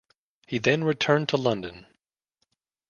He then returned to London.